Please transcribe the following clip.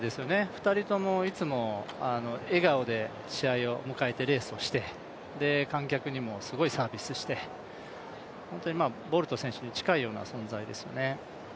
２人ともいつも笑顔で試合を迎えてレースをして観客にもすごいサービスして、ボルト選手に近いような存在ですよね。